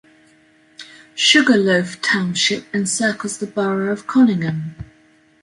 Sugarloaf Township encircles the borough of Conyngham.